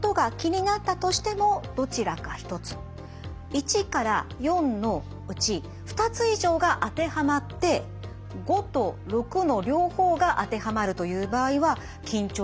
１から４のうち２つ以上が当てはまって５と６の両方が当てはまるという場合は緊張型頭痛であると考えられます。